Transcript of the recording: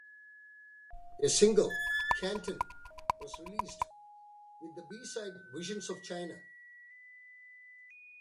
A single, "Canton", was released, with the B-side "Visions of China".